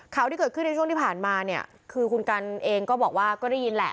ข่าวที่เกิดขึ้นในช่วงที่ผ่านมาเนี่ยคือคุณกันเองก็บอกว่าก็ได้ยินแหละ